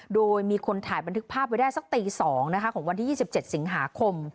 โดยมีคนถ่ายบันทึกภาพไว้ได้สักตีสองนะคะของวันที่ยี่สิบเจ็ดสิงหาคม